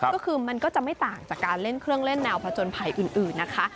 ก็คือมันก็จะไม่ต่างจากการเล่นเครื่องเล่นแนวผจญภัยอื่นนะคะ